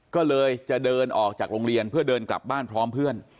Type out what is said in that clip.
ก็เลยจะเดินออกจากโรงเรียนเพื่อเดินกลับบ้านพร้อมเพื่อน